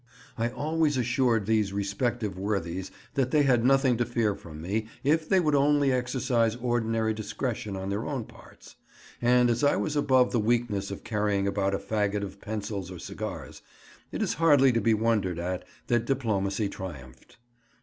I always assured these respective worthies that they had nothing to fear from me if they would only exercise ordinary discretion on their own parts, and as I was above the weakness of carrying about a fagot of pencils or cigars, it is hardly to be wondered at that diplomacy triumphed.